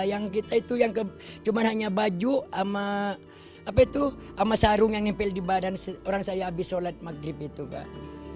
yang kita itu yang cuma hanya baju sama sarung yang nempel di badan orang saya habis sholat maghrib itu pak